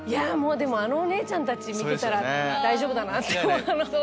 あのお姉ちゃんたち見てたら大丈夫だなって。